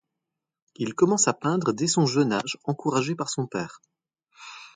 Il commence à peindre dès son jeune âge encouragé par son père.